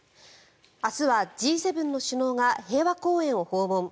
明日はＧ７の首脳が平和公園を訪問。